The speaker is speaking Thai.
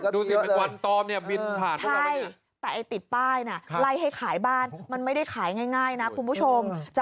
ดูสิแบบวันตอมเนี่ยบินผ่านหรือเปล่า